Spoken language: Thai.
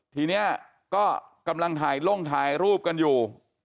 ทีนี้ก็กำลังถ่ายลงถ่ายรูปกันอยู่